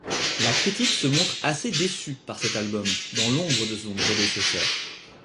La critique se montre assez déçue par cet album, dans l'ombre de son prédécesseur.